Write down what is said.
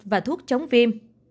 và thuốc chống viêm